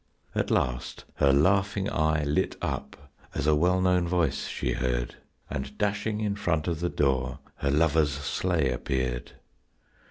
At last her laughing eye lit up as a well known voice she heard, And dashing in front of the door her lover's sleigh appeared.